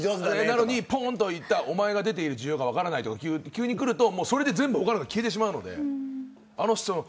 なのにおまえが出ている需要が分からないとか急に来るとそれで全部他のが消えてしまうので。